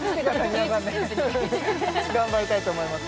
皆さんで頑張りたいと思います